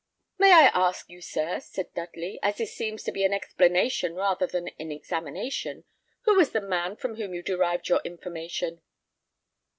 "May I ask you, sir," said Dudley, "as this seems to be an explanation rather than an examination, who was the man from whom you derived your information?"